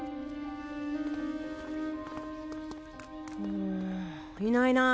んいないな。